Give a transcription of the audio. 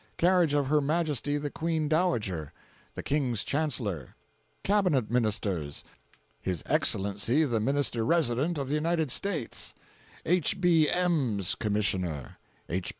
Carriage of Her Majesty the Queen Dowager. The King's Chancellor. Cabinet Ministers. His Excellency the Minister Resident of the United States. H. B. M's Commissioner. H.